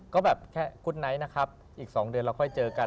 ก็แบบแค่กุ๊ดไนท์นะครับอีก๒เดือนเราค่อยเจอกัน